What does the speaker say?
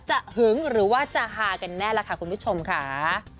หึงหรือว่าจะฮากันแน่ล่ะค่ะคุณผู้ชมค่ะ